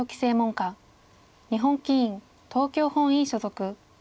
日本棋院東京本院所属。